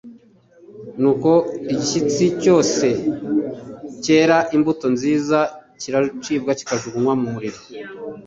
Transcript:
nuko igishyitsi cyose kuera imbuto nziza kiracibwa kikajuguruywa mu muriro.